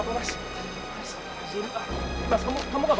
terima kasih papa